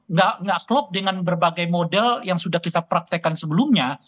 nggak klop dengan berbagai model yang sudah kita praktekkan sebelumnya